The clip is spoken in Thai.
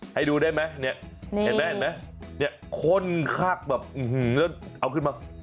ให้ดูได้ไหมเห็นไหมเนี่ยข้นคลักแบบเอาขึ้นมา